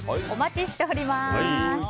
お待ちしております。